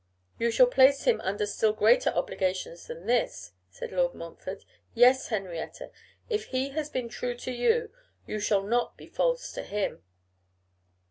'You shall place him under still greater obligations than this,' said Lord Montfort. 'Yes! Henrietta, if he has been true to you, you shall not be false to him.